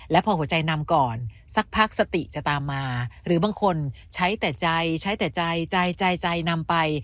และพอหัวใจนำก่อนสักพักสติจะตามมาหรือบางคนใช้แต่ใจใช้แต่ใจใจนำไป